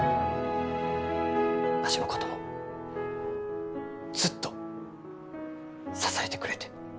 わしのこともずっと支えてくれて。